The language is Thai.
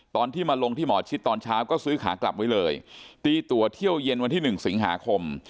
ตอนที่มาลงที่หมอชิดตอนเช้าก็ซื้อขากลับไว้เลยตีตัวเที่ยวเย็นวันที่๑สิงหาคม